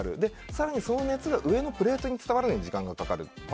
更に、その熱が上のプレートに伝わるのに時間がかかる。